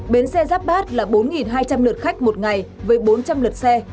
bến xe giáp bát là bốn hai trăm linh lượt khách một ngày với bốn trăm linh lượt xe